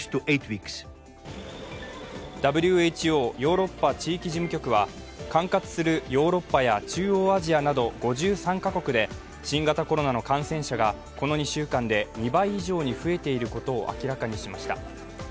ＷＨＯ・ヨーロッパ地域事務局は管轄するヨーロッパや中央アジアなど５３カ国で、新型コロナの感染者がこの２週間で２倍以上に増えていることを明らかにしました。